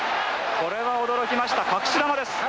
これは驚きました隠し球です。